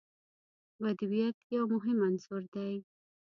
بدویت یو مهم عنصر دی.